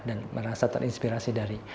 dan merasa terinspirasi dari